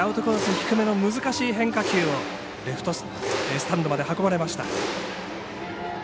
低めの難しい変化球をレフトスタンドまで運ばれました。